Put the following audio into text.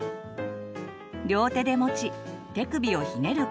両手で持ち手首をひねる